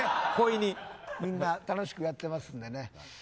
みんな楽しくやってますんで。